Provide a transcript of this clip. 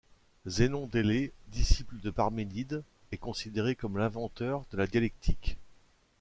Zénon d'Élée, disciple de Parménide, est considéré comme l'inventeur de la dialectique.